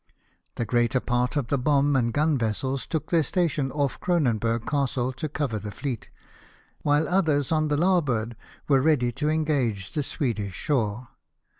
The greater part of the bomb and gun vessels took their station ofl" Cronenburg Castle to cover the fleet ; while others, on the lar board, were ready to engage the Swedish shore.